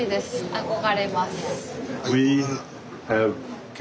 憧れます。